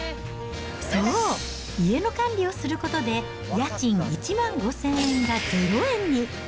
そう、家の管理をすることで、家賃１万５０００円が０円に。